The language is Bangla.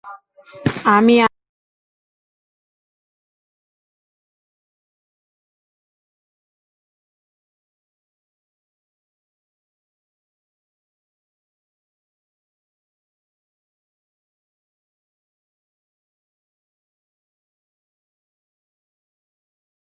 গত দুই দিন যাবৎ এলাকায় নিখোঁজ সংবাদটি মাইকিং করে প্রচার করাও হয়েছে।